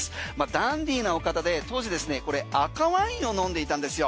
ダンディーなお方で当時赤ワインを飲んでいたんですよ。